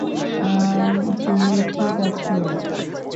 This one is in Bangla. আম, তুমি ঠিক আছো?